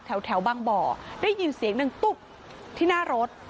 แถวบางบ่อได้ยินเสียงหนึ่งตุ๊บที่หน้ารถ